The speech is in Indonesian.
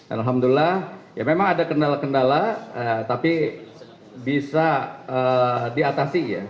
alhamdulillah ya memang ada kendala kendala tapi bisa diatasi ya